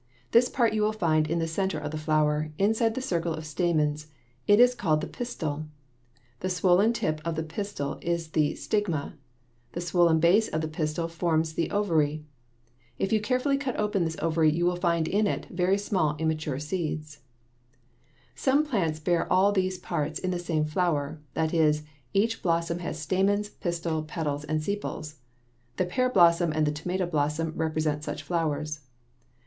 This part you will find in the center of the flower, inside the circle of stamens. It is called the pistil (Fig. 32). The swollen tip of the pistil is the stigma. The swollen base of the pistil forms the ovary. If you carefully cut open this ovary you will find in it very small immature seeds. [Illustration: FIG. 33. STAMENS a, anther; f, filament] Some plants bear all these parts in the same flower; that is, each blossom has stamens, pistil, petals, and sepals. The pear blossom and the tomato blossom represent such flowers.